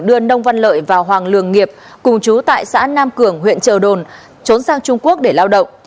đưa nông văn lợi và hoàng lường nghiệp cùng chú tại xã nam cường huyện trợ đồn trốn sang trung quốc để lao động